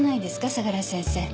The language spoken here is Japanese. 相良先生。